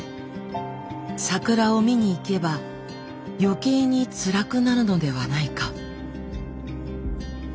桜を見に行けば余計につらくなるのではないか。